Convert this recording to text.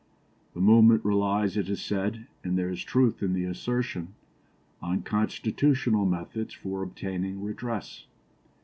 The movement relies, it is said, and there is truth in the assertion, on constitutional methods for obtaining redress.